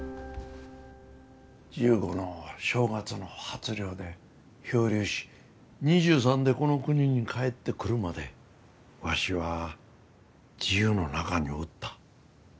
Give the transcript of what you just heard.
１５の正月の初漁で漂流し２３でこの国に帰ってくるまでわしは自由の中におった。